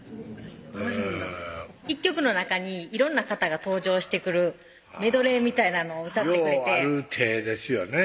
へぇ１曲の中に色んな方が登場してくるメドレーみたいなのを歌ってくれてようある手ですよね